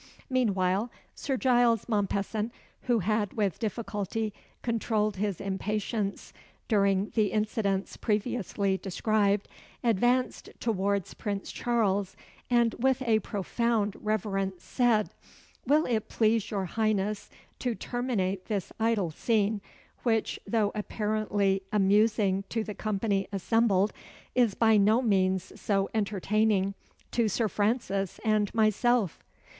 Meanwhile, Sir Giles Mompesson, who had with difficulty controlled his impatience during the incidents previously described, advanced towards Prince Charles, and with a profound reverence, said "Will it please your Highness to terminate this idle scene, which, though apparently amusing to the company assembled, is by no means so entertaining to Sir Francis and myself?"